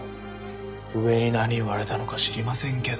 上に何言われたのか知りませんけど。